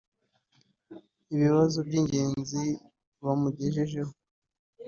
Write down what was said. Ibibazo by’ingenzi bamugejejeho